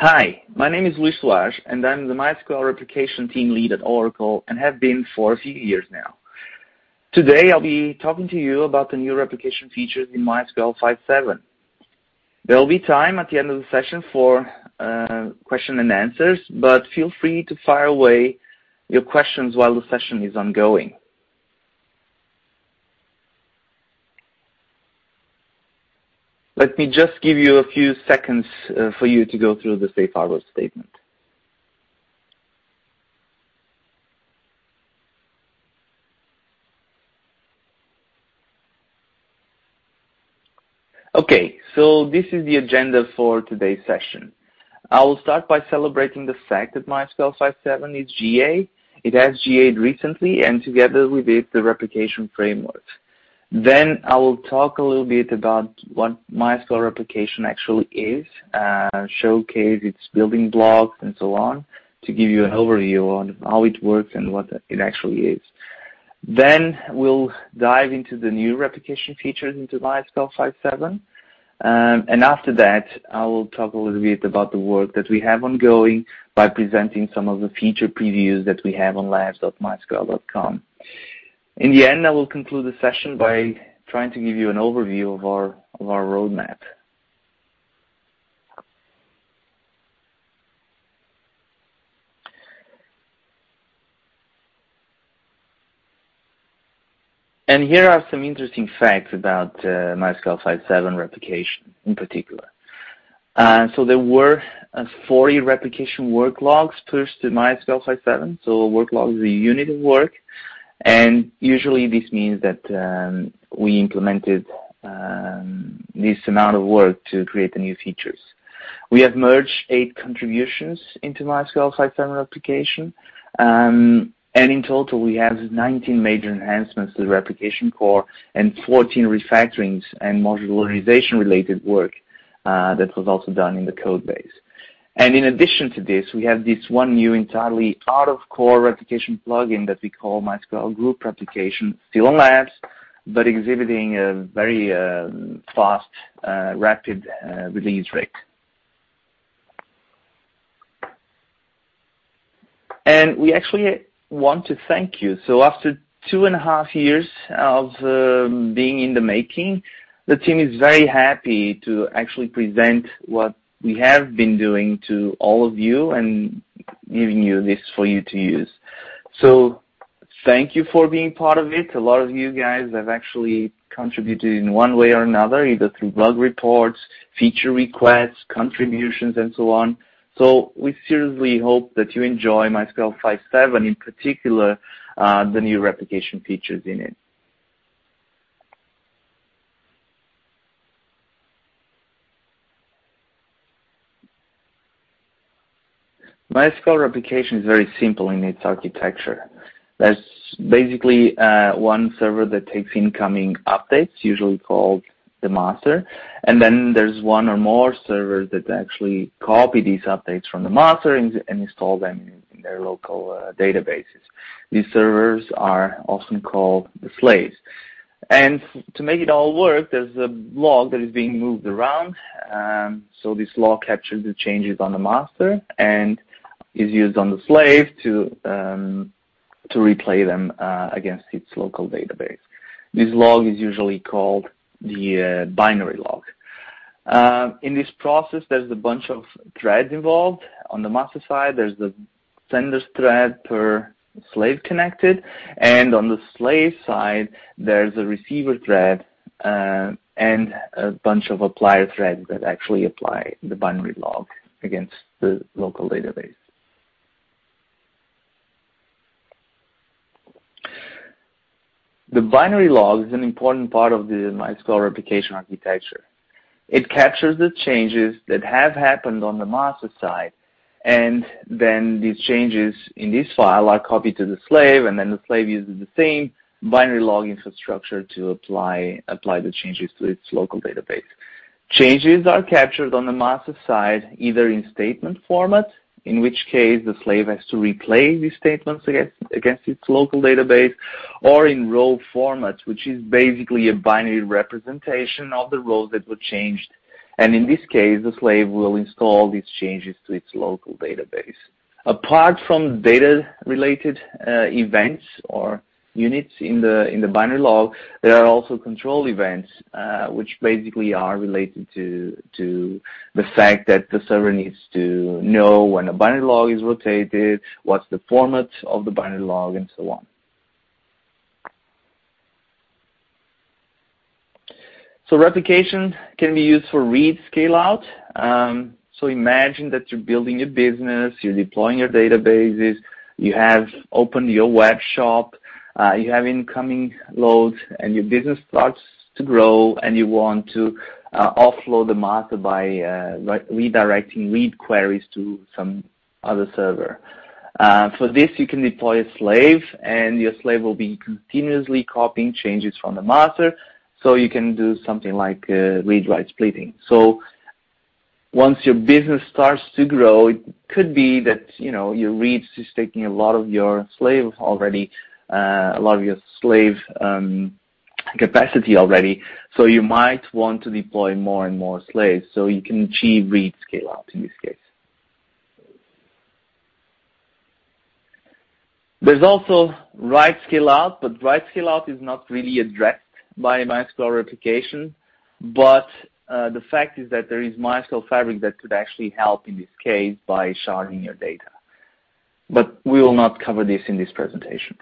Hi, my name is Luís Soares, I'm the MySQL Replication team lead at Oracle and have been for a few years now. Today, I'll be talking to you about the new replication features in MySQL 5.7. There'll be time at the end of the session for question and answers, but feel free to fire away your questions while the session is ongoing. Let me just give you a few seconds for you to go through the safe harbor statement. This is the agenda for today's session. I will start by celebrating the fact that MySQL 5.7 is GA. It has GA'd recently, and together with it, the replication framework. I will talk a little bit about what MySQL replication actually is, showcase its building blocks and so on, to give you an overview on how it works and what it actually is. We'll dive into the new replication features into MySQL 5.7. After that, I will talk a little bit about the work that we have ongoing by presenting some of the feature previews that we have on labs.mysql.com. In the end, I will conclude the session by trying to give you an overview of our roadmap. Here are some interesting facts about MySQL 5.7 replication in particular. There were 40 replication work logs pushed to MySQL 5.7. Work log is a unit of work, and usually this means that we implemented this amount of work to create the new features. We have merged eight contributions into MySQL 5.7 replication. In total, we have 19 major enhancements to the replication core and 14 refactorings and modularization-related work that was also done in the code base. In addition to this, we have this one new entirely out-of-core replication plugin that we call MySQL Group Replication. Still on labs, but exhibiting a very fast, rapid release rate. We actually want to thank you. After two and a half years of being in the making, the team is very happy to actually present what we have been doing to all of you and giving you this for you to use. Thank you for being part of it. A lot of you guys have actually contributed in one way or another, either through bug reports, feature requests, contributions, and so on. We seriously hope that you enjoy MySQL 5.7, in particular, the new replication features in it. MySQL replication is very simple in its architecture. There's basically one server that takes incoming updates, usually called the master, and then there's one or more servers that actually copy these updates from the master and install them in their local databases. These servers are often called the slaves. To make it all work, there's a log that is being moved around. This log captures the changes on the master and is used on the slave to replay them against its local database. This log is usually called the binary log. In this process, there's a bunch of threads involved. On the master side, there's a sender thread per slave connected, and on the slave side, there's a receiver thread, and a bunch of apply threads that actually apply the binary log against the local database. The binary log is an important part of the MySQL replication architecture. It captures the changes that have happened on the master side. These changes in this file are copied to the slave. The slave uses the same binary log infrastructure to apply the changes to its local database. Changes are captured on the master side, either in statement format, in which case the slave has to replay these statements against its local database, or in row format, which is basically a binary representation of the rows that were changed. In this case, the slave will install these changes to its local database. Apart from data-related events or units in the binary log, there are also control events, which basically are related to the fact that the server needs to know when a binary log is rotated, what's the format of the binary log, and so on. Replication can be used for read scale out. Imagine that you're building your business, you're deploying your databases, you have opened your web shop, you have incoming loads. Your business starts to grow, and you want to offload the master by redirecting read queries to some other server. For this, you can deploy a slave. Your slave will be continuously copying changes from the master, so you can do something like read/write splitting. Once your business starts to grow, it could be that your reads is taking a lot of your slave capacity already, so you might want to deploy more and more slaves so you can achieve read scale-out in this case. There's also write scale-out. Write scale-out is not really addressed by MySQL replication. The fact is that there is MySQL Fabric that could actually help in this case by sharding your data. We will not cover this in this presentation.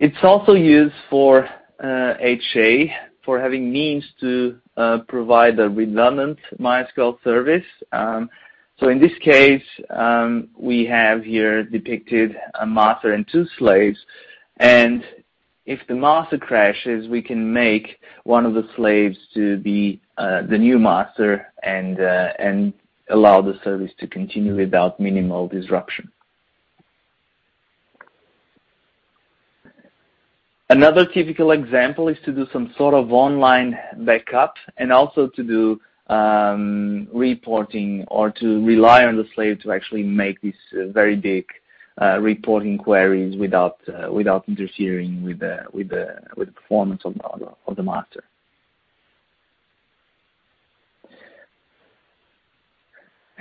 It's also used for HA, for having means to provide a redundant MySQL service. In this case, we have here depicted a master and two slaves. If the master crashes, we can make one of the slaves to be the new master and allow the service to continue without minimal disruption. Another typical example is to do some sort of online backup and also to do reporting or to rely on the slave to actually make these very big reporting queries without interfering with the performance of the master.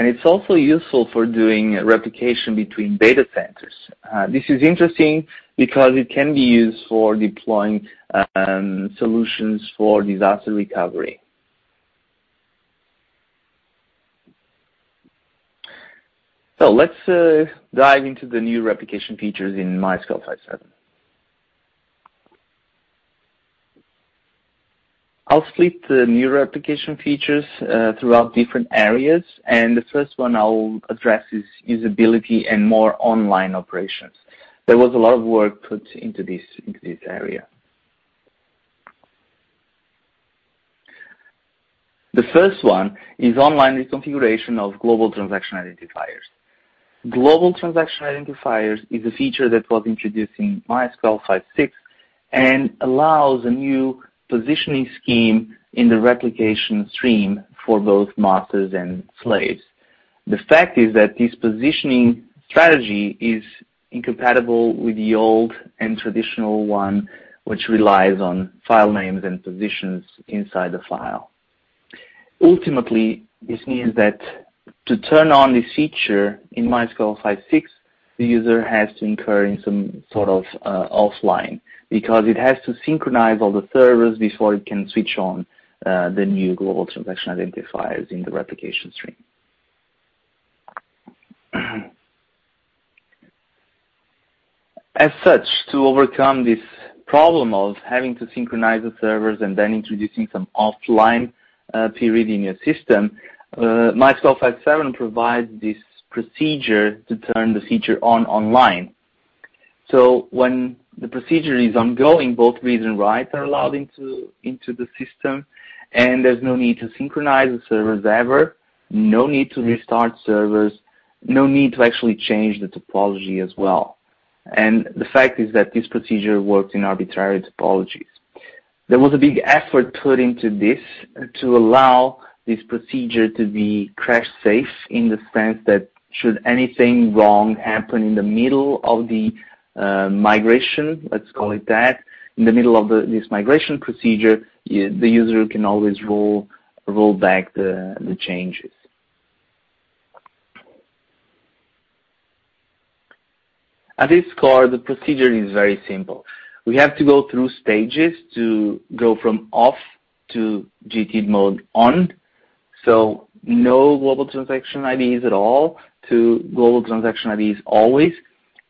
It's also useful for doing replication between data centers. This is interesting because it can be used for deploying solutions for disaster recovery. Let's dive into the new replication features in MySQL 5.7. I'll split the new replication features throughout different areas. The first one I'll address is usability and more online operations. There was a lot of work put into this area. The first one is online reconfiguration of Global Transaction Identifiers. Global Transaction Identifiers is a feature that was introduced in MySQL 5.6 and allows a new positioning scheme in the replication stream for both masters and slaves. The fact is that this positioning strategy is incompatible with the old and traditional one, which relies on file names and positions inside the file. Ultimately, this means that to turn on this feature in MySQL 5.6, the user has to incur in some sort of offline, because it has to synchronize all the servers before it can switch on the new Global Transaction Identifiers in the replication stream. As such, to overcome this problem of having to synchronize the servers and then introducing some offline period in your system, MySQL 5.7 provides this procedure to turn the feature on online. When the procedure is ongoing, both reads and writes are allowed into the system, and there's no need to synchronize the servers ever. No need to restart servers, no need to actually change the topology as well. The fact is that this procedure works in arbitrary topologies. There was a big effort put into this to allow this procedure to be crash-safe in the sense that should anything wrong happen in the middle of the migration, let's call it that, in the middle of this migration procedure, the user can always roll back the changes. At its core, the procedure is very simple. We have to go through stages to go from off to GT mode on, so no global transaction IDs at all to global transaction IDs always.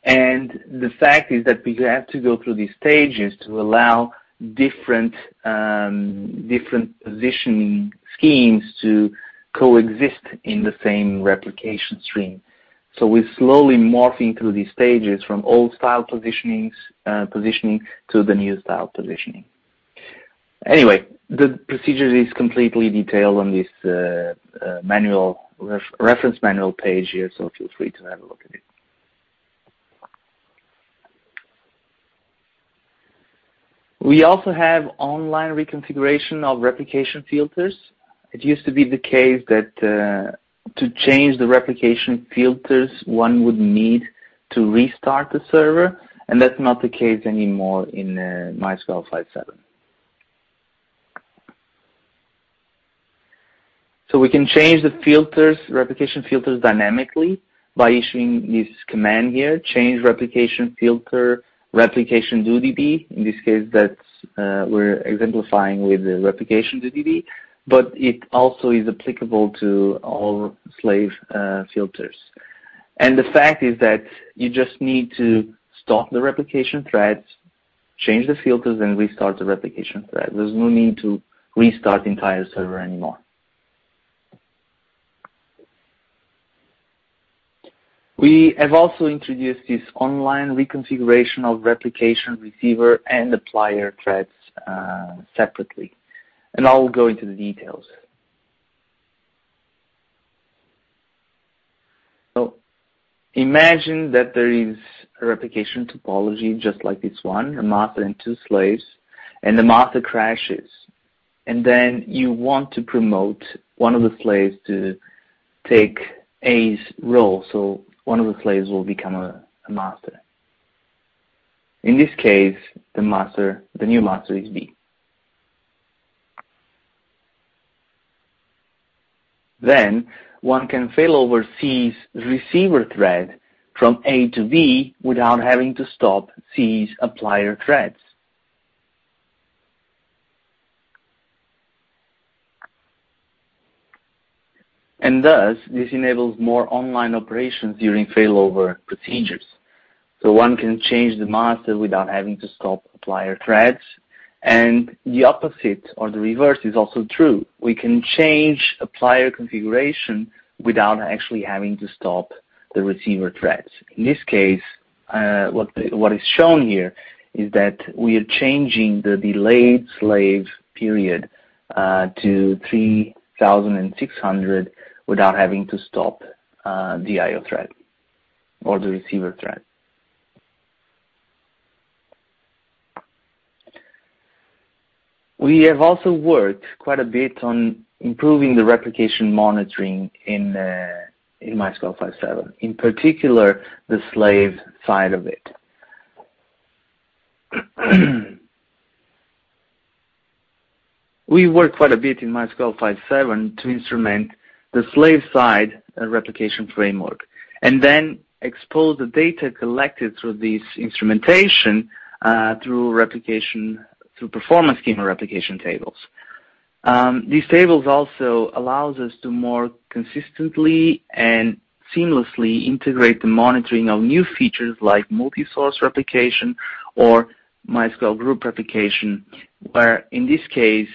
The fact is that we have to go through these stages to allow different positioning schemes to coexist in the same replication stream. We're slowly morphing through these stages from old style positioning to the new style positioning. Anyway, the procedure is completely detailed on this reference manual page here, so feel free to have a look at it. We also have online reconfiguration of replication filters. It used to be the case that to change the replication filters, one would need to restart the server, and that's not the case anymore in MySQL 5.7. We can change the replication filters dynamically by issuing this command here, CHANGE REPLICATION FILTER, replication_db. In this case, we're exemplifying with the replication_db, but it also is applicable to all slave filters. The fact is that you just need to stop the replication threads, change the filters, and restart the replication thread. There's no need to restart the entire server anymore. We have also introduced this online reconfiguration of replication receiver and applier threads separately. I'll go into the details. Imagine that there is a replication topology just like this one, a master and two slaves, and the master crashes. Then you want to promote one of the slaves to take A's role, so one of the slaves will become a master. In this case, the new master is B. Then one can failover C's receiver thread from A to B without having to stop C's applier threads. Thus, this enables more online operations during failover procedures. One can change the master without having to stop applier threads. The opposite or the reverse is also true. We can change applier configuration without actually having to stop the receiver threads. In this case, what is shown here is that we are changing the delayed slave period to 3,600 without having to stop the IO thread or the receiver thread. We have also worked quite a bit on improving the replication monitoring in MySQL 5.7, in particular, the slave side of it. We worked quite a bit in MySQL 5.7 to instrument the slave side replication framework and then expose the data collected through this instrumentation, through Performance Schema replication tables. These tables also allows us to more consistently and seamlessly integrate the monitoring of new features like multi-source replication or MySQL Group Replication, where in this case,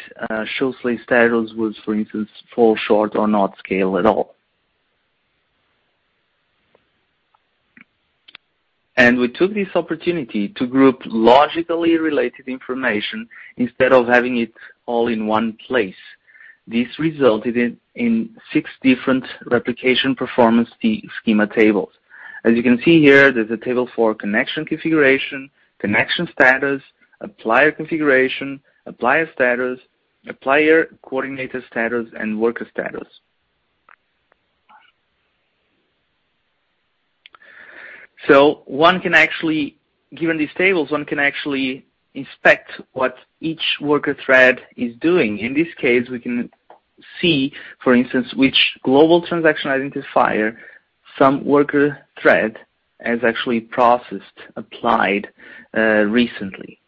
SHOW SLAVE STATUS was, for instance, fall short or not scale at all. We took this opportunity to group logically related information instead of having it all in one place. This resulted in six different replication Performance Schema tables. As you can see here, there's a table for connection configuration, connection status, applier configuration, applier status, applier coordinator status, and worker status. Given these tables, one can actually inspect what each worker thread is doing. In this case, we can see, for instance, which global transaction identifier some worker thread has actually processed, applied recently.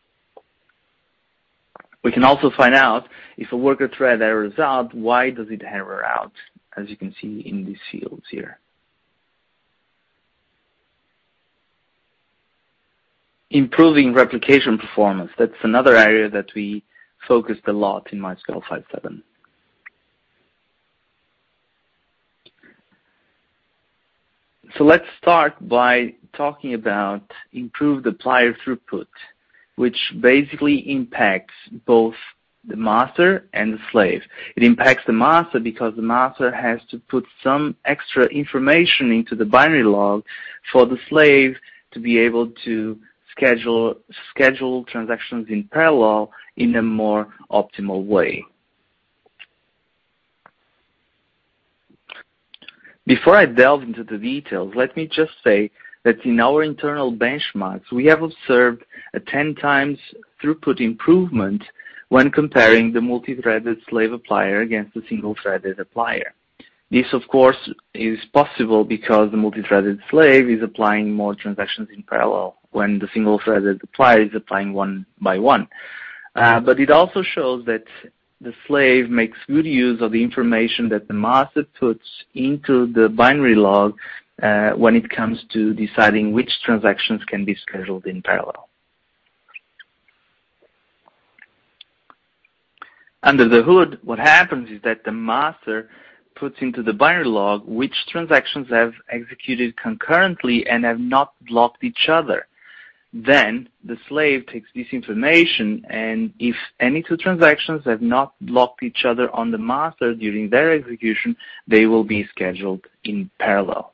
We can also find out if a worker thread errors out, why does it error out, as you can see in these fields here. Improving replication performance, that's another area that we focused a lot in MySQL 5.7. Let's start by talking about improved applier throughput, which basically impacts both the master and the slave. It impacts the master because the master has to put some extra information into the binary log for the slave to be able to schedule transactions in parallel in a more optimal way. Before I delve into the details, let me just say that in our internal benchmarks, we have observed a 10 times throughput improvement when comparing the multi-threaded slave applier against the single-threaded applier. This, of course, is possible because the multi-threaded slave is applying more transactions in parallel when the single-threaded applier is applying one by one. It also shows that the slave makes good use of the information that the master puts into the binary log, when it comes to deciding which transactions can be scheduled in parallel. Under the hood, what happens is that the master puts into the binary log which transactions have executed concurrently and have not blocked each other. The slave takes this information, and if any two transactions have not blocked each other on the master during their execution, they will be scheduled in parallel.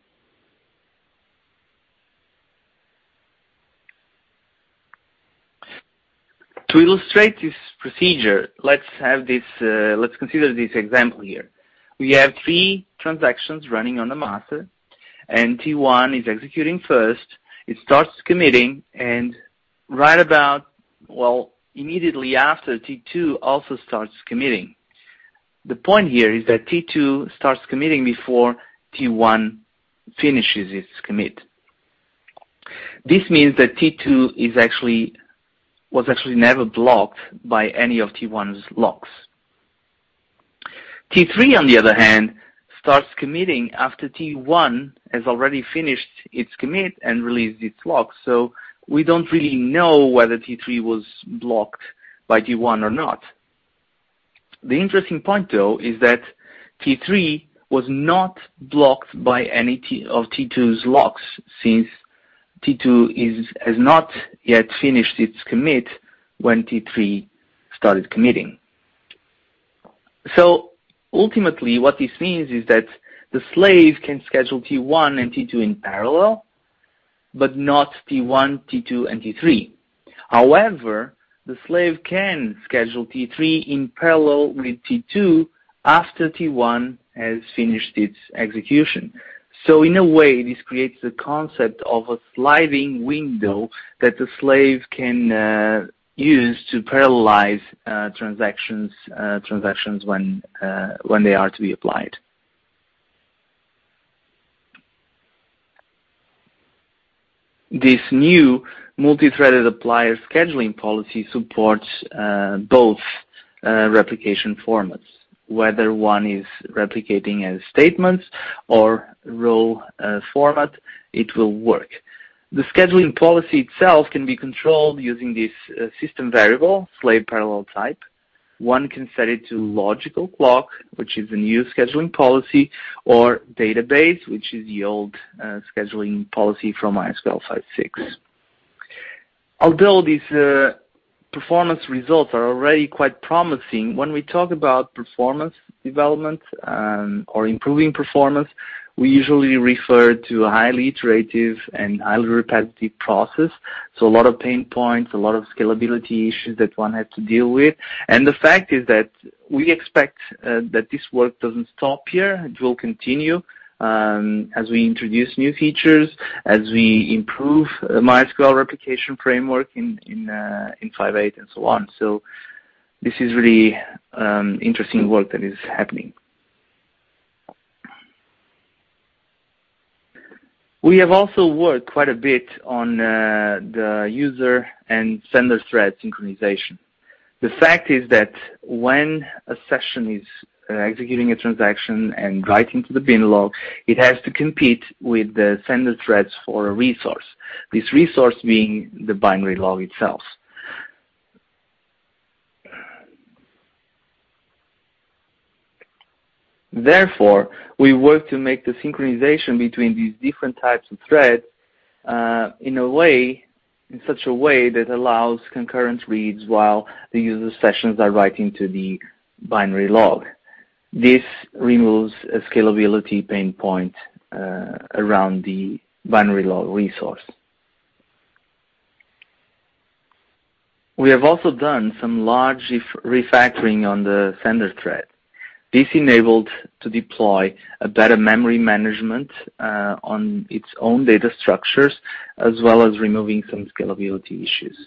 To illustrate this procedure, let's consider this example here. We have three transactions running on the master, and T1 is executing first. It starts committing, and immediately after, T2 also starts committing. The point here is that T2 starts committing before T1 finishes its commit. This means that T2 was actually never blocked by any of T1's locks. T3, on the other hand, starts committing after T1 has already finished its commit and released its lock, we don't really know whether T3 was blocked by T1 or not. The interesting point, though, is that T3 was not blocked by any of T2's locks, since T2 has not yet finished its commit when T3 started committing. Ultimately, what this means is that the slave can schedule T1 and T2 in parallel. Not T1, T2, and T3. The slave can schedule T3 in parallel with T2 after T1 has finished its execution. In a way, this creates the concept of a sliding window that the slave can use to parallelize transactions when they are to be applied. This new multi-threaded applier scheduling policy supports both replication formats. Whether one is replicating as statements or row format, it will work. The scheduling policy itself can be controlled using this system variable, slave_parallel_type. One can set it to logical clock, which is the new scheduling policy, or database, which is the old scheduling policy from MySQL 5.6. Although these performance results are already quite promising, when we talk about performance development or improving performance, we usually refer to a highly iterative and highly repetitive process. A lot of pain points, a lot of scalability issues that one had to deal with. The fact is that we expect that this work doesn't stop here. It will continue as we introduce new features, as we improve MySQL replication framework in 5.8 and so on. This is really interesting work that is happening. We have also worked quite a bit on the user and sender thread synchronization. The fact is that when a session is executing a transaction and writing to the binlog, it has to compete with the sender threads for a resource, this resource meaning the binary log itself. Therefore, we work to make the synchronization between these different types of threads in such a way that allows concurrent reads while the user sessions are writing to the binary log. This removes a scalability pain point around the binary log resource. We have also done some large refactoring on the sender thread. This enabled to deploy a better memory management on its own data structures, as well as removing some scalability issues.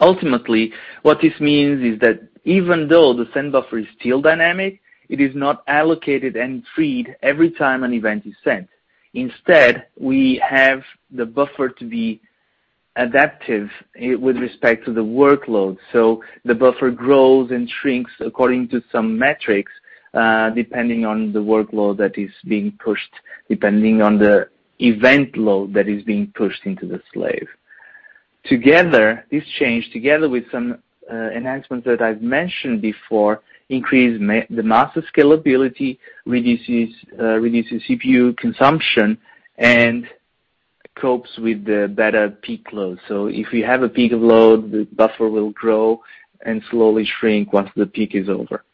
Ultimately, what this means is that even though the send buffer is still dynamic, it is not allocated and freed every time an event is sent. Instead, we have the buffer to be adaptive with respect to the workload. The buffer grows and shrinks according to some metrics, depending on the workload that is being pushed, depending on the event load that is being pushed into the slave. This change, together with some enhancements that I've mentioned before, increase the master scalability, reduces CPU consumption, and copes with the better peak load. If we have a peak of load, the buffer will grow and slowly shrink once the peak is over.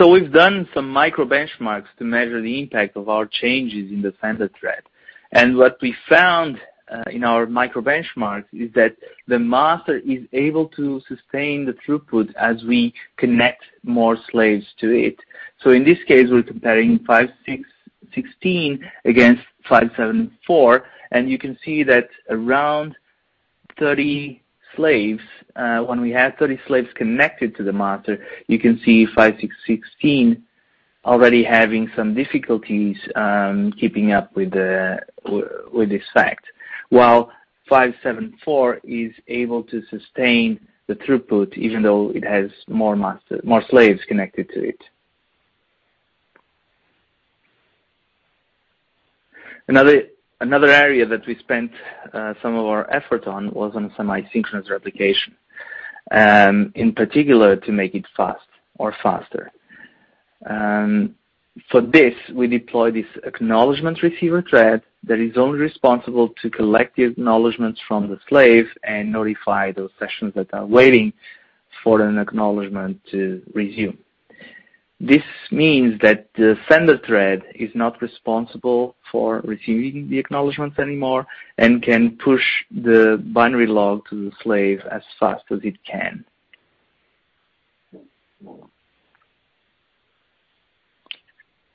We've done some micro benchmarks to measure the impact of our changes in the sender thread. What we found in our micro benchmark is that the master is able to sustain the throughput as we connect more slaves to it. In this case, we're comparing 5.6.16 against 5.7.4, and you can see that around 30 slaves, when we had 30 slaves connected to the master, you can see 5.6.16 already having some difficulties keeping up with this fact, while 5.7.4 is able to sustain the throughput, even though it has more slaves connected to it. Another area that we spent some of our effort on was on semi-synchronous replication, in particular to make it fast or faster. For this, we deployed this acknowledgment receiver thread that is only responsible to collect the acknowledgments from the slave and notify those sessions that are waiting for an acknowledgment to resume. This means that the sender thread is not responsible for receiving the acknowledgments anymore and can push the binary log to the slave as fast as it can.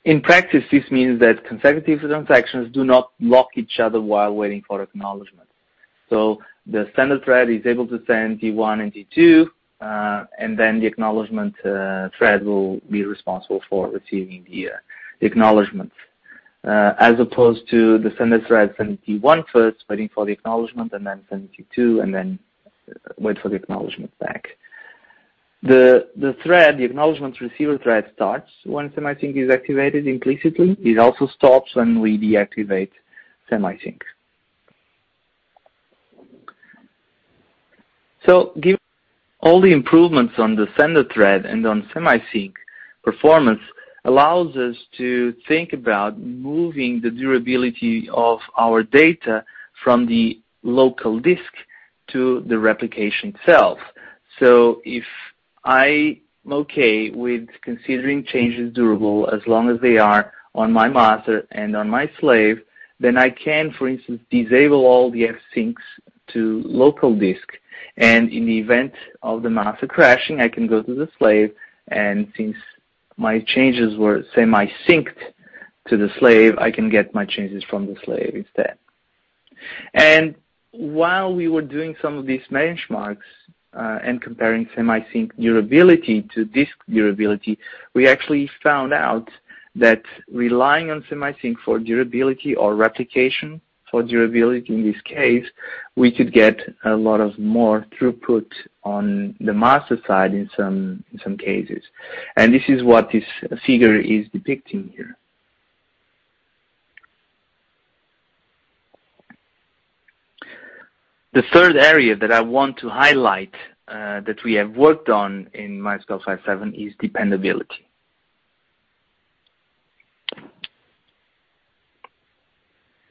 In practice, this means that consecutive transactions do not block each other while waiting for acknowledgment. The sender thread is able to send T1 and T2, then the acknowledgment thread will be responsible for receiving the acknowledgments, as opposed to the sender thread sending T1 first, waiting for the acknowledgment, then sending T2, then wait for the acknowledgment back. The thread, the acknowledgment receiver thread, starts once semi-sync is activated implicitly. It also stops when we deactivate semi-sync. Given all the improvements on the sender thread and on semi-sync Performance allows us to think about moving the durability of our data from the local disk to the replication itself. If I'm okay with considering changes durable, as long as they are on my master and on my slave, then I can, for instance, disable all the fsyncs to local disk. In the event of the master crashing, I can go to the slave, since my changes were semi-synced to the slave, I can get my changes from the slave instead. While we were doing some of these benchmarks, comparing semi-sync durability to disk durability, we actually found out that relying on semi-sync for durability or replication for durability, in this case, we could get a lot of more throughput on the master side in some cases. This is what this figure is depicting here. The third area that I want to highlight that we have worked on in MySQL 5.7 is dependability.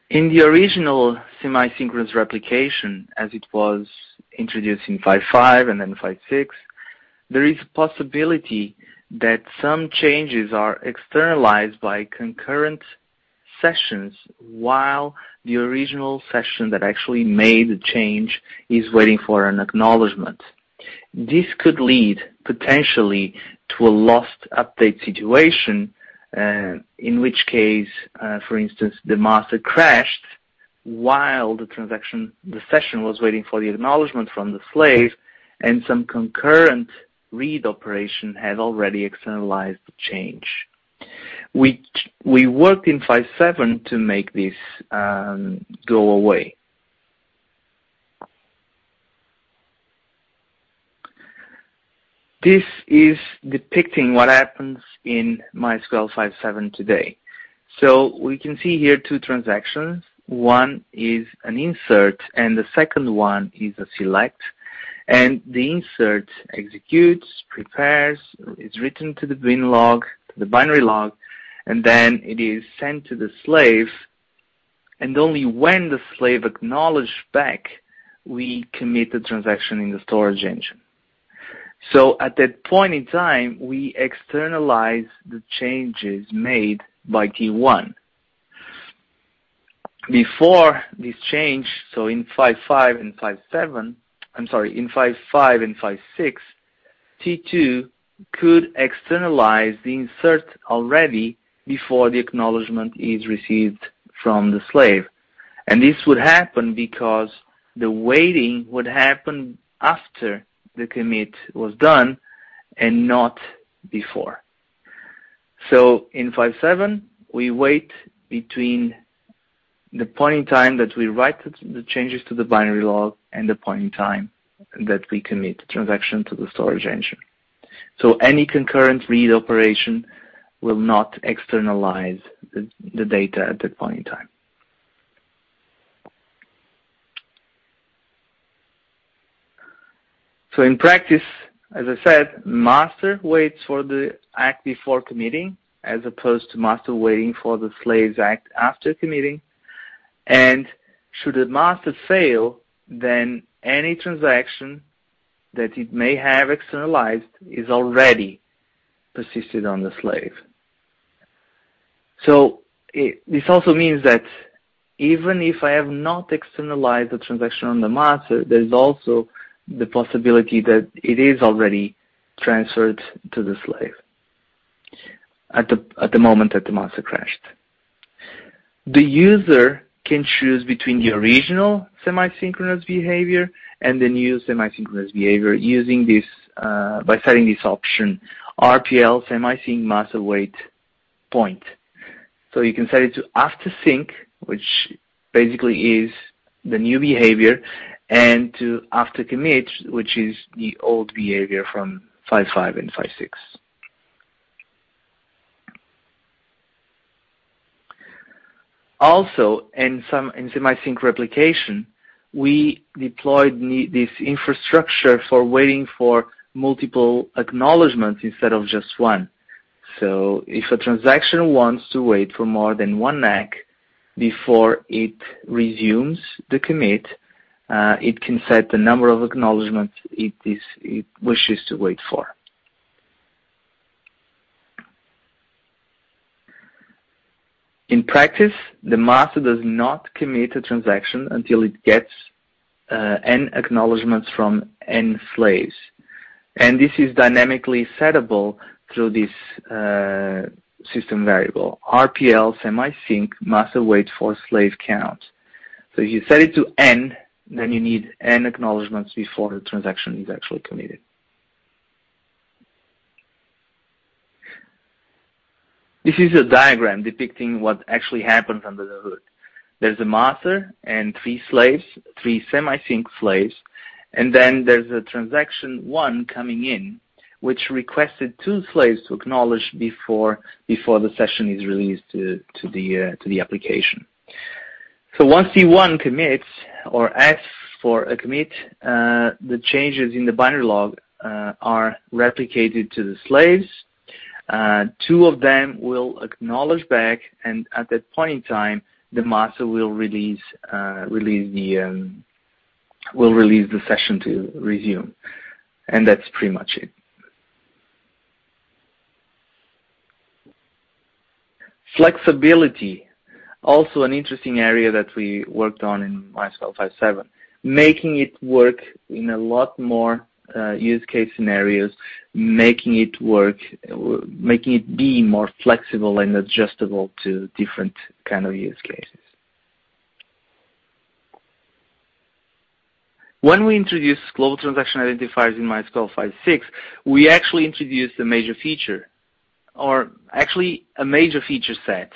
In the original semi-synchronous replication, as it was introduced in 5.5 and 5.6, there is a possibility that some changes are externalized by concurrent sessions, while the original session that actually made the change is waiting for an acknowledgment. This could lead potentially to a lost update situation, in which case, for instance, the master crashed while the session was waiting for the acknowledgment from the slave and some concurrent read operation had already externalized the change. We worked in 5.7 to make this go away. This is depicting what happens in MySQL 5.7 today. We can see here two transactions. One is an insert and the second one is a select. The insert executes, prepares, is written to the binlog, to the binary log, then it is sent to the slave, and only when the slave acknowledged back, we commit the transaction in the storage engine. At that point in time, we externalize the changes made by T1. Before this change, in 5.5 and 5.6, T2 could externalize the insert already before the acknowledgment is received from the slave. This would happen because the waiting would happen after the commit was done and not before. In 5.7, we wait between the point in time that we write the changes to the binary log and the point in time that we commit the transaction to the storage engine. Any concurrent read operation will not externalize the data at that point in time. In practice, as I said, master waits for the act before committing as opposed to master waiting for the slave's act after committing. Should the master fail, then any transaction that it may have externalized is already persisted on the slave. This also means that even if I have not externalized the transaction on the master, there's also the possibility that it is already transferred to the slave at the moment that the master crashed. The user can choose between the original semi-synchronous behavior and the new semi-synchronous behavior by setting this option, rpl_semi_sync_master_wait_point. You can set it to after sync, which basically is the new behavior, and to after commit, which is the old behavior from 5.5 and 5.6. In semi-sync replication, we deployed this infrastructure for waiting for multiple acknowledgments instead of just one. If a transaction wants to wait for more than one ACK before it resumes the commit, it can set the number of acknowledgments it wishes to wait for. In practice, the master does not commit a transaction until it gets N acknowledgments from N slaves. This is dynamically settable through this system variable, rpl_semi_sync_master_wait_for_slave_count. If you set it to N, then you need N acknowledgments before the transaction is actually committed. This is a diagram depicting what actually happens under the hood. There's a master and three slaves, three semi-sync slaves, then there's a transaction one coming in, which requested two slaves to acknowledge before the session is released to the application. Once C1 commits or asks for a commit, the changes in the binary log are replicated to the slaves. Two of them will acknowledge back, and at that point in time, the master will release the session to resume. That's pretty much it. Flexibility, also an interesting area that we worked on in MySQL 5.7, making it work in a lot more use case scenarios, making it be more flexible and adjustable to different kind of use cases. When we introduced Global Transaction Identifiers in MySQL 5.6, we actually introduced a major feature, or actually, a major feature set.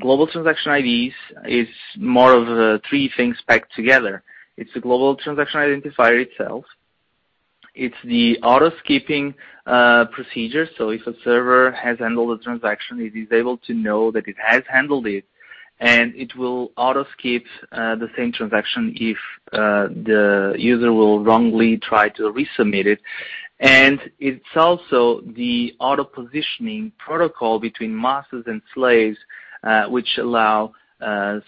Global Transaction IDs is more of three things packed together. It's a Global Transaction Identifier itself. It's the auto-skipping procedure. If a server has handled a transaction, it is able to know that it has handled it, and it will auto-skip the same transaction if the user will wrongly try to resubmit it. It's also the auto-positioning protocol between masters and slaves, which allow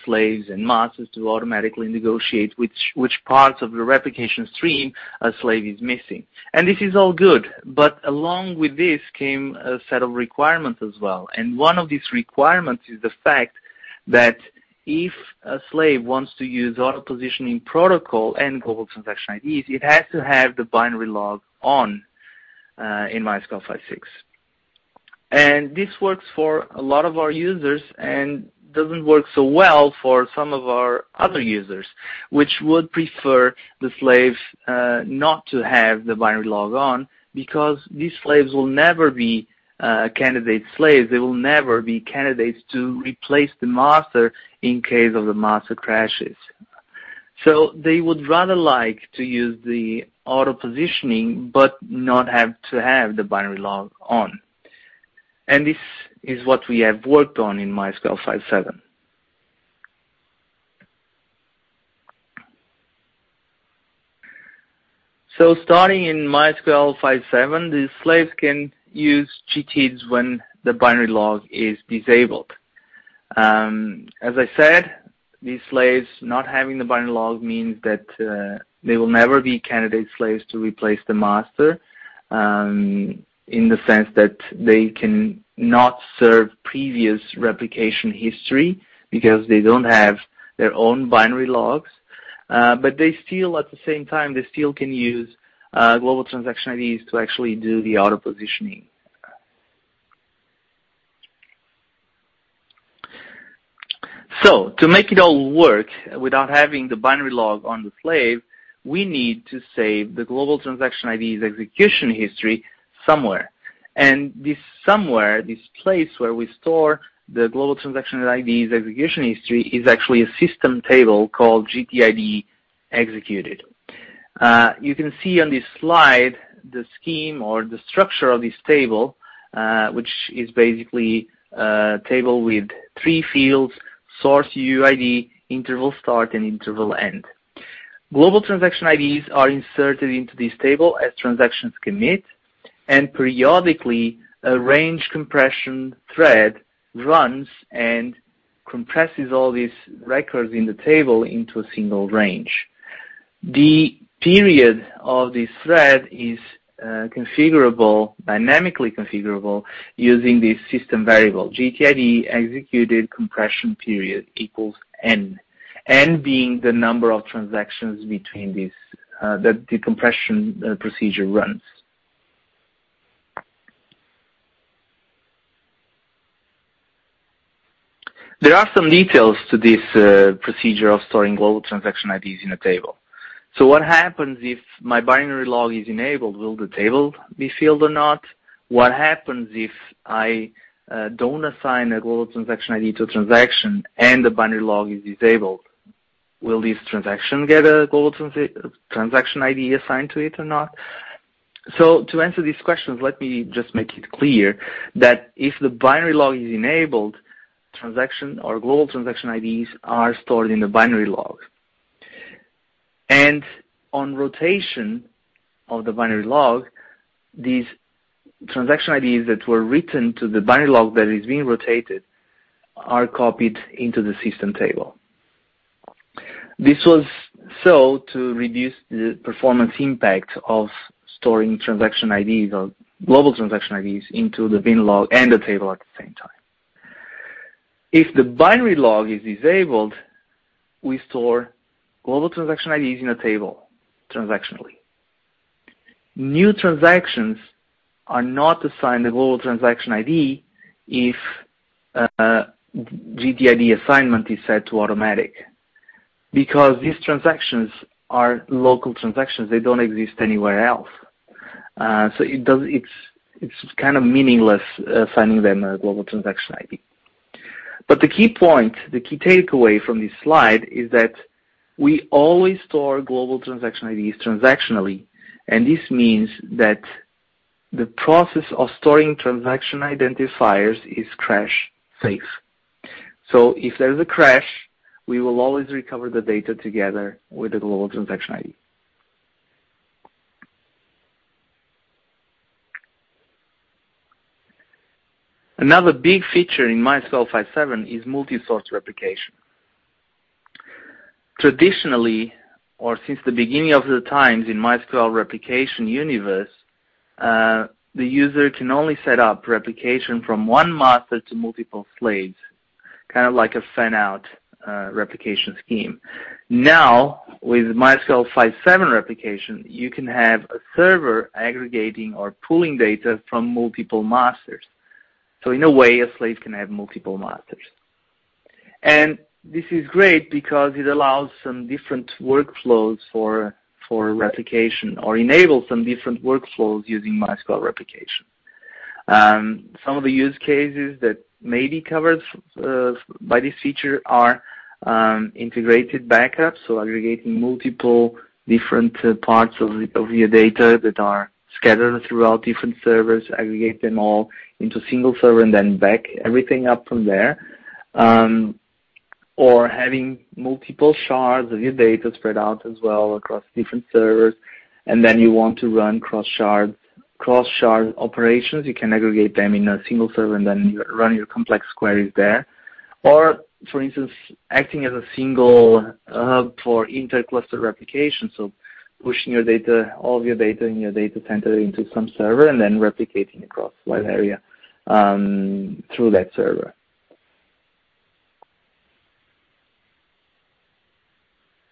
slaves and masters to automatically negotiate which parts of the replication stream a slave is missing. This is all good, but along with this came a set of requirements as well. One of these requirements is the fact that if a slave wants to use auto-positioning protocol and Global Transaction IDs, it has to have the binary log on in MySQL 5.6. This works for a lot of our users and doesn't work so well for some of our other users, which would prefer the slave not to have the binary log on because these slaves will never be candidate slaves. They will never be candidates to replace the master in case of the master crashes. They would rather like to use the auto-positioning but not have to have the binary log on. This is what we have worked on in MySQL 5.7. Starting in MySQL 5.7, the slaves can use GTIDs when the binary log is disabled. As I said, these slaves not having the binary log means that they will never be candidate slaves to replace the master, in the sense that they can not serve previous replication history because they don't have their own binary logs. They still, at the same time, they still can use Global Transaction IDs to actually do the auto-positioning. To make it all work without having the binary log on the slave, we need to save the Global Transaction ID's execution history somewhere. This somewhere, this place where we store the Global Transaction ID's execution history, is actually a system table called mysql.gtid_executed. You can see on this slide the scheme or the structure of this table, which is basically a table with three fields: source_uid, interval_start, and interval_end. Global Transaction IDs are inserted into this table as transactions commit, and periodically, a range compression thread runs and compresses all these records in the table into a single range. The period of this thread is dynamically configurable using this system variable, gtid_executed_compression_period=N. N being the number of transactions between the decompression procedure runs. There are some details to this procedure of storing Global Transaction IDs in a table. What happens if my binary log is enabled? Will the table be filled or not? What happens if I don't assign a Global Transaction ID to a transaction and the binary log is disabled? Will this transaction get a Global Transaction ID assigned to it or not? To answer these questions, let me just make it clear that if the binary log is enabled, transaction or Global Transaction IDs are stored in the binary log. On rotation of the binary log, these transaction IDs that were written to the binary log that is being rotated are copied into the system table. This was to reduce the performance impact of storing transaction IDs or Global Transaction IDs into the binlog and the table at the same time. If the binary log is disabled, we store Global Transaction IDs in a table transactionally. New transactions are not assigned a Global Transaction ID if GTID assignment is set to automatic, because these transactions are local transactions. They don't exist anywhere else. It's kind of meaningless assigning them a Global Transaction ID. The key point, the key takeaway from this slide is that we always store Global Transaction IDs transactionally, and this means that the process of storing transaction identifiers is crash safe. If there's a crash, we will always recover the data together with the Global Transaction ID. Another big feature in MySQL 5.7 is multi-source replication. Traditionally, or since the beginning of the times in MySQL replication universe, the user can only set up replication from one master to multiple slaves, kind of like a fan-out replication scheme. With MySQL 5.7 replication, you can have a server aggregating or pooling data from multiple masters. In a way, a slave can have multiple masters. This is great because it allows some different workflows for replication or enables some different workflows using MySQL replication. Some of the use cases that may be covered by this feature are integrated backups, aggregating multiple different parts of your data that are scattered throughout different servers, aggregate them all into a single server and then back everything up from there. Having multiple shards of your data spread out as well across different servers, and then you want to run cross-shard operations. You can aggregate them in a single server and then run your complex queries there. For instance, acting as a single hub for inter-cluster replication, pushing all of your data in your data center into some server and then replicating across wide area through that server.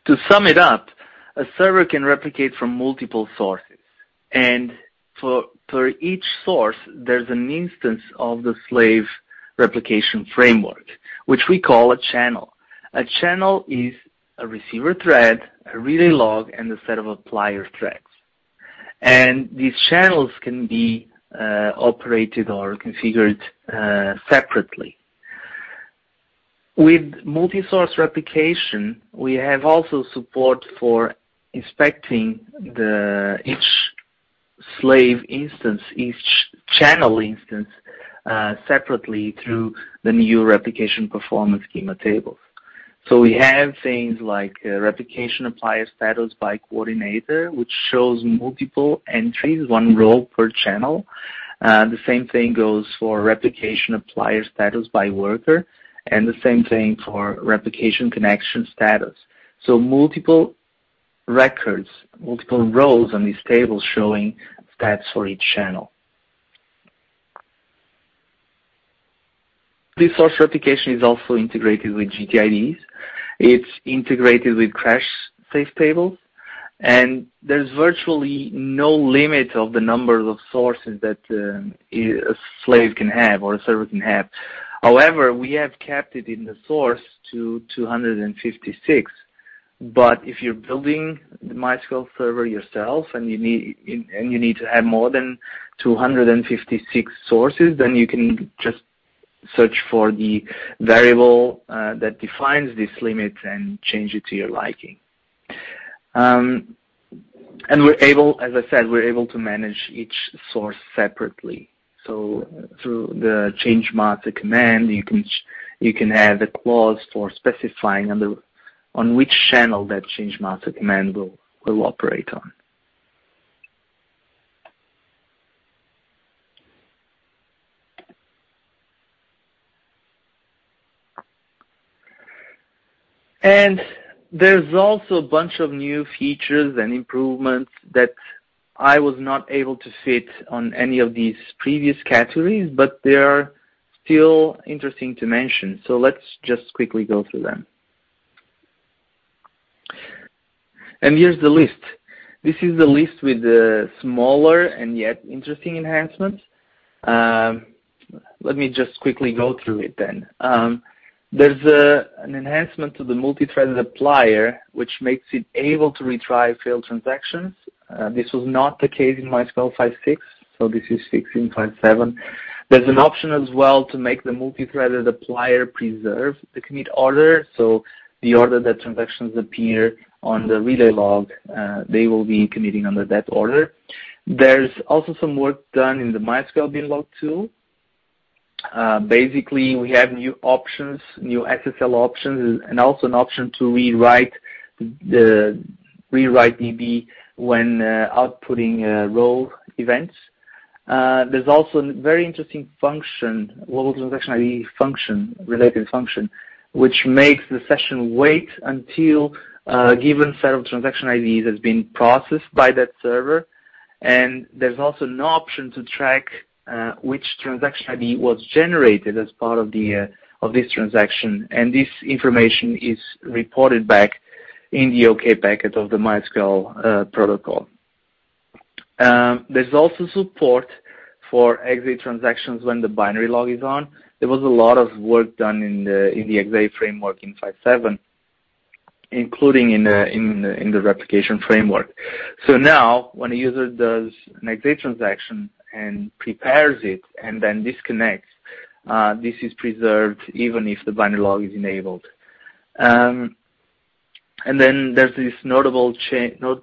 To sum it up, a server can replicate from multiple sources, and for each source, there's an instance of the slave replication framework, which we call a channel. A channel is a receiver thread, a relay log, and a set of applier threads. These channels can be operated or configured separately. With multi-source replication, we have also support for inspecting each slave instance, each channel instance separately through the new replication Performance Schema tables. We have things like replication applier status by coordinator, which shows multiple entries, one row per channel. The same thing goes for replication applier status by worker, and the same thing for replication connection status. Multiple records, multiple rows on these tables showing stats for each channel. This source replication is also integrated with GTIDs. It's integrated with crash safe tables, and there's virtually no limit of the numbers of sources that a slave can have or a server can have. However, we have capped it in the source to 256. If you're building the MySQL server yourself and you need to have more than 256 sources, you can just search for the variable that defines this limit and change it to your liking. As I said, we're able to manage each source separately. Through the change master command, you can add a clause for specifying on which channel that change master command will operate on. There's also a bunch of new features and improvements that I was not able to fit on any of these previous categories, but they are still interesting to mention. Let's just quickly go through them. Here's the list. This is the list with the smaller and yet interesting enhancements. Let me just quickly go through it then. There's an enhancement to the multi-threaded applier, which makes it able to retry failed transactions. This was not the case in MySQL 5.6, this is fixed in 5.7. There's an option as well to make the multi-threaded applier preserve the commit order. The order that transactions appear on the relay log, they will be committing under that order. There's also some work done in the MySQL binlog tool. Basically, we have new options, new SSL options, and also an option to rewrite DB when outputting row events. There's also a very interesting function, global transaction ID function, related function, which makes the session wait until a given set of transaction IDs has been processed by that server. There's also an option to track which transaction ID was generated as part of this transaction, and this information is reported back in the OK packet of the MySQL protocol. There's also support for XA transactions when the binary log is on. There was a lot of work done in the XA framework in 5.7, including in the replication framework. Now, when a user does an XA transaction and prepares it and then disconnects, this is preserved even if the binary log is enabled. Then there's this noticeable change or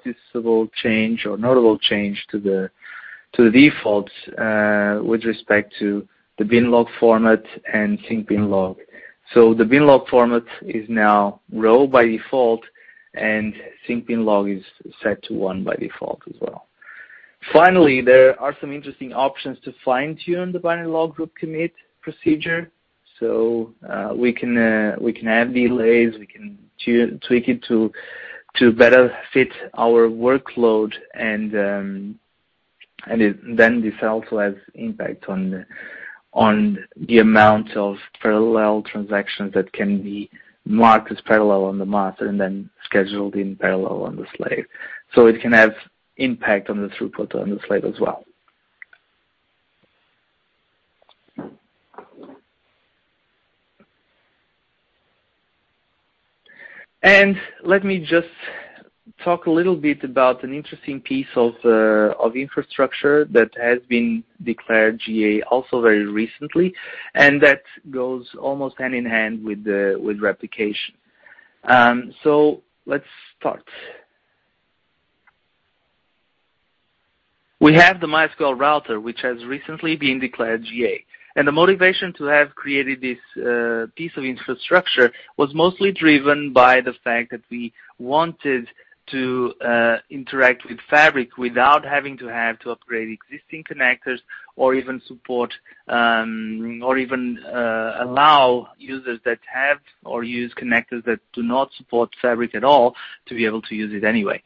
notable change to the defaults with respect to the binlog format and sync_binlog. The binlog format is now row by default, sync_binlog is set to one by default as well. Finally, there are some interesting options to fine-tune the binary log group commit procedure. We can have delays, we can tweak it to better fit our workload and then this also has impact on the amount of parallel transactions that can be marked as parallel on the master and then scheduled in parallel on the slave. It can have impact on the throughput on the slave as well. Let me just talk a little bit about an interesting piece of infrastructure that has been declared GA also very recently, and that goes almost hand-in-hand with replication. Let's start. We have the MySQL Router, which has recently been declared GA. The motivation to have created this piece of infrastructure was mostly driven by the fact that we wanted to interact with Fabric without having to have to upgrade existing connectors or even allow users that have or use connectors that do not support Fabric at all to be able to use it anyway.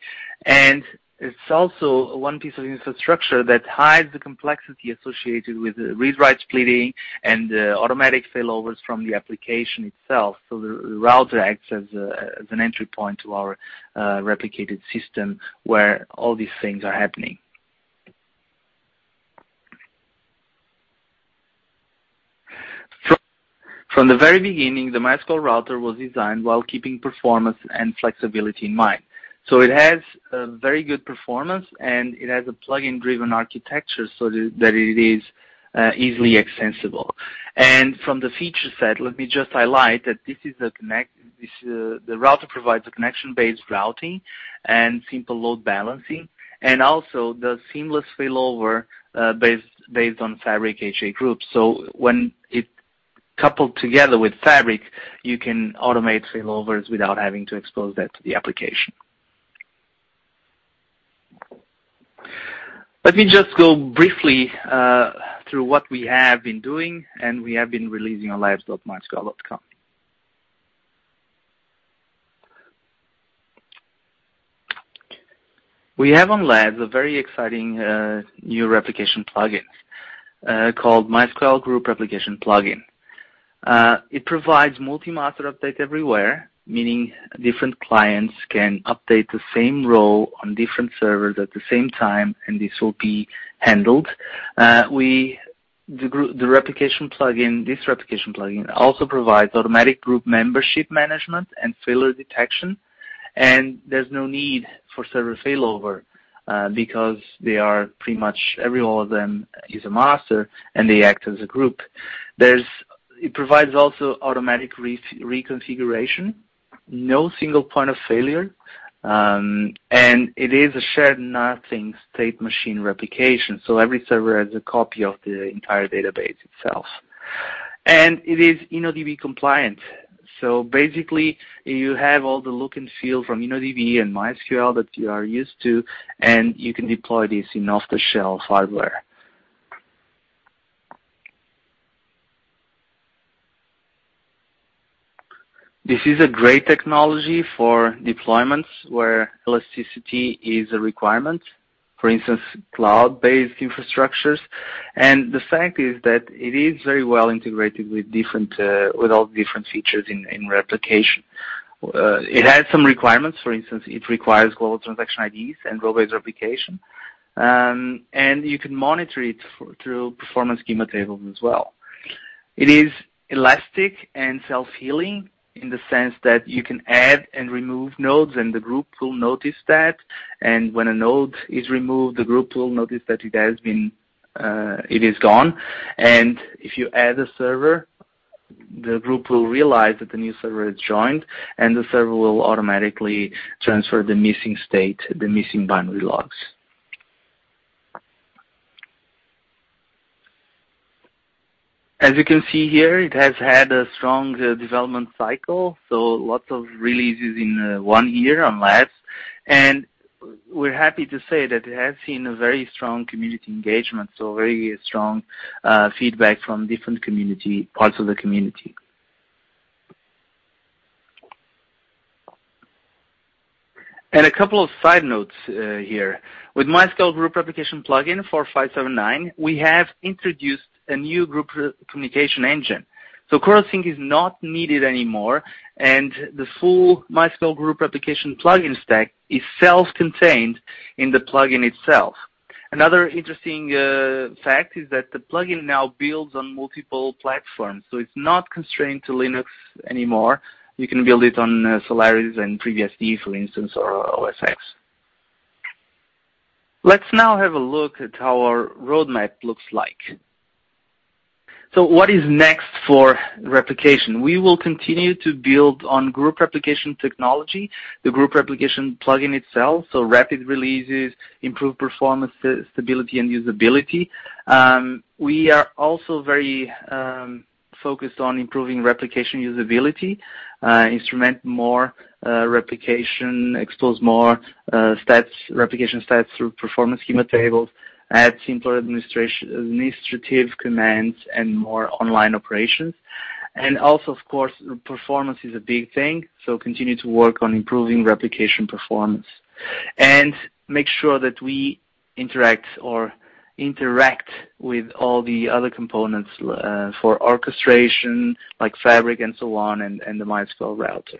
It's also one piece of infrastructure that hides the complexity associated with read-write splitting and automatic failovers from the application itself. The router acts as an entry point to our replicated system where all these things are happening. From the very beginning, the MySQL Router was designed while keeping performance and flexibility in mind. It has a very good performance, and it has a plugin-driven architecture so that it is easily extensible. From the feature set, let me just highlight that the router provides a connection-based routing and simple load balancing, and also does seamless failover based on Fabric HA groups. When it coupled together with Fabric, you can automate failovers without having to expose that to the application. Let me just go briefly through what we have been doing, and we have been releasing on labs.mysql.com. We have on labs a very exciting new replication plugin called MySQL Group Replication Plugin. It provides multi-master update everywhere, meaning different clients can update the same role on different servers at the same time, and this will be handled. This replication plugin also provides automatic group membership management and failure detection, and there's no need for server failover because they are pretty much every one of them is a master and they act as a group. It provides also automatic reconfiguration, no single point of failure, and it is a shared nothing state machine replication, every server has a copy of the entire database itself. It is InnoDB compliant. Basically you have all the look and feel from InnoDB and MySQL that you are used to, and you can deploy this in off-the-shelf hardware. This is a great technology for deployments where elasticity is a requirement. For instance, cloud-based infrastructures, and the fact is that it is very well integrated with all different features in replication. It has some requirements. For instance, it requires global transaction IDs and global transaction replication, and you can monitor it through Performance Schema table as well. It is elastic and self-healing in the sense that you can add and remove nodes, and the group will notice that. When a node is removed, the group will notice that it is gone. If you add a server, the group will realize that the new server is joined, and the server will automatically transfer the missing state, the missing binary logs. As you can see here, it has had a strong development cycle, lots of releases in one year on labs, and we're happy to say that it has seen a very strong community engagement, very strong feedback from different parts of the community. A couple of side notes here. With MySQL Group Replication Plugin for 5.7.9, we have introduced a new group communication engine. Corosync is not needed anymore, and the full MySQL Group Replication Plugin stack is self-contained in the plugin itself. Another interesting fact is that the plugin now builds on multiple platforms, it's not constrained to Linux anymore. You can build it on Solaris and FreeBSD, for instance, or OS X. Let's now have a look at how our roadmap looks like. What is next for replication? We will continue to build on Group Replication technology, the Group Replication plugin itself, rapid releases, improved performance, stability, and usability. We are also very focused on improving replication usability, instrument more replication, expose more stats, replication stats through Performance Schema tables, add simpler administrative commands, and more online operations. Also, of course, performance is a big thing, continue to work on improving replication performance. Make sure that we interact or interact with all the other components for orchestration, like Fabric and so on, and the MySQL Router.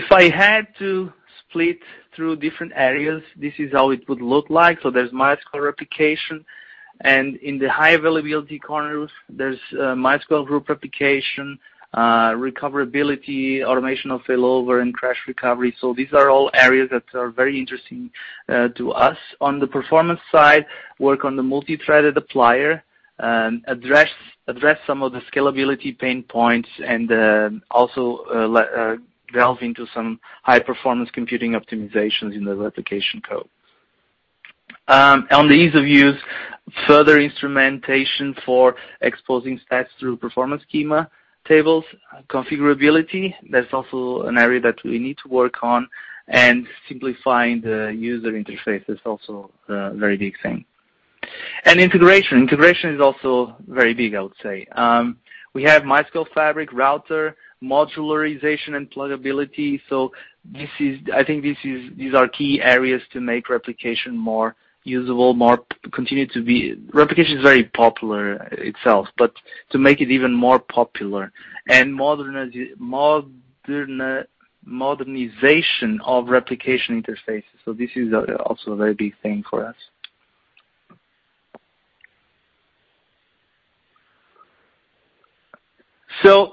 If I had to split through different areas, this is how it would look like. There's MySQL replication, and in the high availability corners, there's MySQL Group Replication, recoverability, automation of failover, and crash recovery. These are all areas that are very interesting to us. On the performance side, work on the multithreaded applier, address some of the scalability pain points, and then also delve into some high-performance computing optimizations in the replication code. On the ease of use, further instrumentation for exposing stats through Performance Schema tables. Configurability, that's also an area that we need to work on, and simplifying the user interface is also a very big thing. Integration. Integration is also very big, I would say. We have MySQL Fabric Router, modularization, and plugability. I think these are key areas to make replication more usable. Replication is very popular itself, but to make it even more popular and modernization of replication interfaces. This is also a very big thing for us.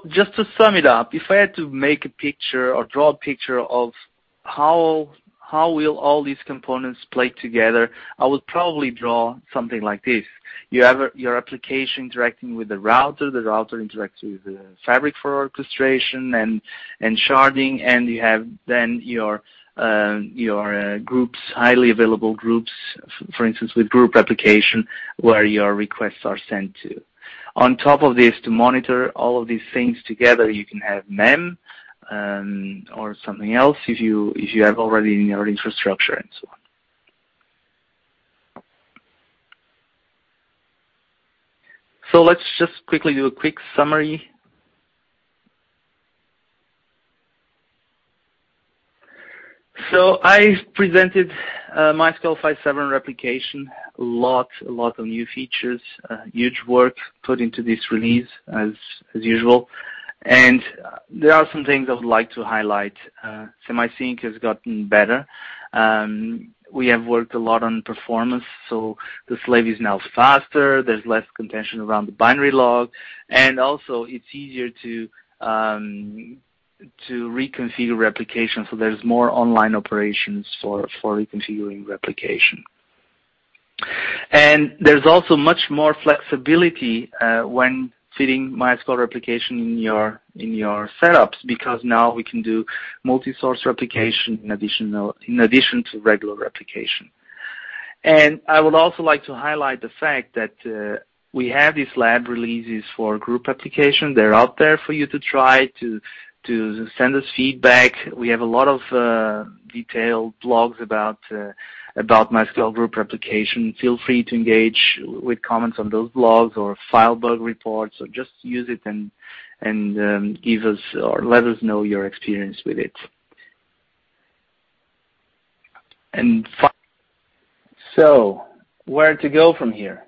Just to sum it up, if I had to make a picture or draw a picture of how will all these components play together, I would probably draw something like this. You have your application interacting with the router, the router interacts with the Fabric for orchestration and sharding, and you have then your highly available groups, for instance, with Group Replication, where your requests are sent to. On top of this, to monitor all of these things together, you can have MEM, or something else if you have already in your infrastructure and so on. Let's just quickly do a quick summary. I presented MySQL 5.7 replication. Lot of new features, huge work put into this release as usual. There are some things I would like to highlight. Semi-sync has gotten better. We have worked a lot on performance, the slave is now faster. There's less contention around the binary log, and also it's easier to reconfigure replication. There's more online operations for reconfiguring replication. There's also much more flexibility when fitting MySQL replication in your setups, because now we can do multi-source replication in addition to regular replication. I would also like to highlight the fact that we have these lab releases for Group Replication. They're out there for you to try to send us feedback. We have a lot of detailed blogs about MySQL Group Replication. Feel free to engage with comments on those blogs or file bug reports, or just use it and give us or let us know your experience with it. Where to go from here?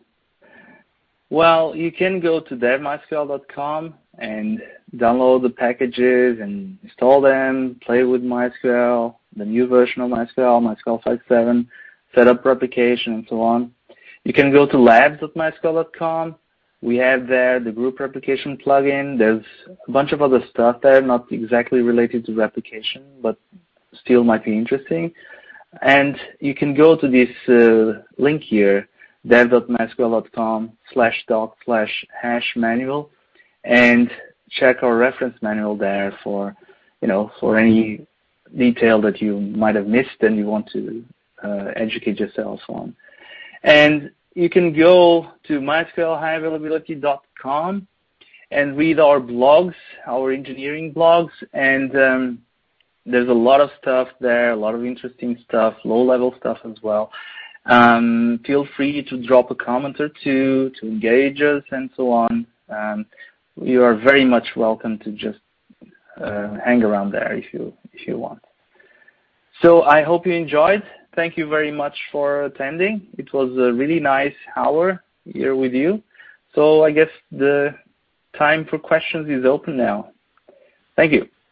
You can go to dev.mysql.com and download the packages and install them, play with MySQL, the new version of MySQL 5.7, set up replication, and so on. You can go to labs.mysql.com. We have there the Group Replication plugin. There's a bunch of other stuff there, not exactly related to replication, but still might be interesting. You can go to this link here, dev.mysql.com/doc/#manual, and check our reference manual there for any detail that you might have missed and you want to educate yourself on. You can go to mysqlhighavailability.com and read our blogs, our engineering blogs, and there's a lot of stuff there, a lot of interesting stuff, low-level stuff as well. Feel free to drop a comment or two to engage us and so on. You are very much welcome to just hang around there if you want. I hope you enjoyed. Thank you very much for attending. It was a really nice hour here with you. I guess the time for questions is open now. Thank you.